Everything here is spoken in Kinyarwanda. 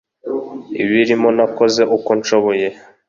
ibirimo nakoze uko nshoboye.